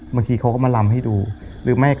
บางทีเขาก็มาลำให้ดู